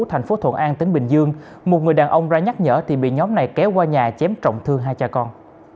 thành phố thuận an tỉnh bình dương một người đàn ông ra nhắc nhở thì bị nhóm này kéo qua nhà chém trọng thương hai cha con